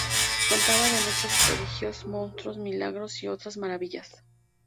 Contaba de muchos prodigios, monstruos, milagros y otras maravillas.